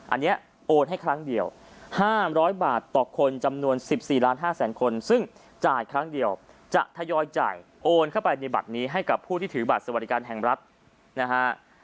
อันนี้โอนให้ครั้งเดียว๕๐๐บาทต่อคนจำนวน๑๔ล้าน๕แสนคนซึ่งจ่ายครั้งเดียวจะทยอยจ่ายโอนเข้าไปในบัตรนี้ให้กับผู้ที่ถือบัตรสวัสดิการแห่งรัฐนะฮะ